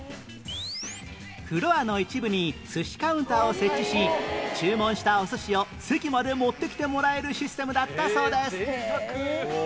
フロアの一部に寿司カウンターを設置し注文したお寿司を席まで持ってきてもらえるシステムだったそうです